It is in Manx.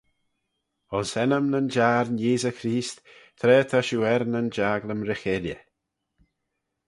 Ayns ennym nyn jiarn Yeesey Creest, tra ta shiu er nyn jaglym ry cheilley.